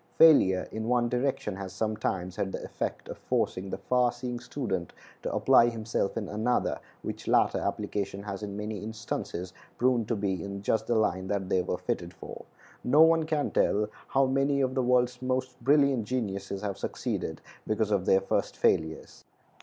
Failure in one direction has sometimes had the effect of forcing the far seeing student to apply himself in another, which latter application has in many instances proven to be in just the line that they were fitted for. No one can tell how many of the world's most brilliant geniuses have succeeded because of their first failures.